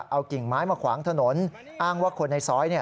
เอากิ่งไม้มาขวางถนนอ้างว่าคนในซอย